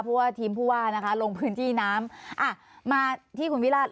เพราะว่าทีมผู้ว่านะคะลงพื้นที่น้ำอ่ะมาที่คุณวิราช